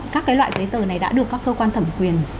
các loại giấy tờ này đã được các cơ quan thẩm quyền